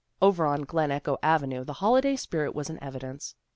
Over on Glen Echo Avenue the holiday spirit was in evidence.